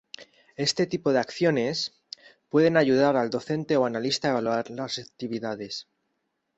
Este tipo de acciones, pueden ayudar al docente o analista a evaluar las actividades.